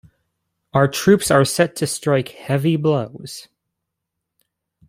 Our troops are set to strike heavy blows.